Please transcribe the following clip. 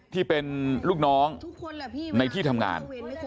ที่เป็นลูกน้องทุกคนในที่ทำงาน